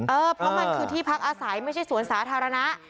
เออเพราะมันคือที่พักอาศัยไม่ใช่สวนสาธารณะ